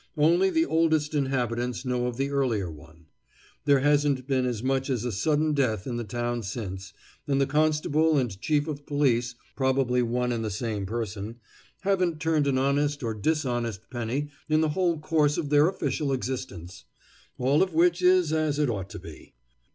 Only the oldest inhabitants know of the earlier one. There hasn't been as much as a sudden death in the town since, and the constable and chief of police probably one and the same person haven't turned an honest or dishonest penny in the whole course of their official existence. All of which is as it ought to be.